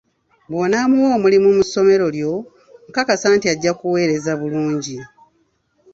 Bw'onamuwa omulimu mu ssomero lyo, nkakasa nti ajja kuweereza bulungi.